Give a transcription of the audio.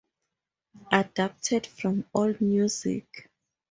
Adapted from AllMusic.